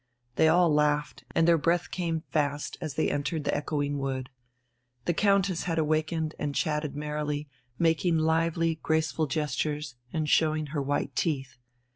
They all laughed and their breath came fast as they entered the echoing wood. The Countess had awakened and chatted merrily, making lively, graceful gestures and showing her white teeth.